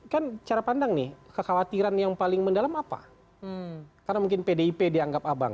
kalau saya lihat itu kalau misalnya di heart klub oh milcharg arguably ppp kok bisa hematinan vaachanin